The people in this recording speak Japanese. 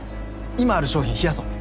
今ある商品冷やそう。